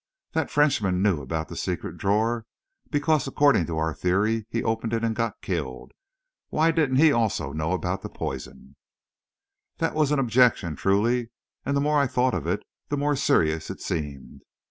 "That Frenchman knew about the secret drawer, because, according to our theory, he opened it and got killed. Why didn't he also know about the poison?" That was an objection, truly, and the more I thought of it, the more serious it seemed.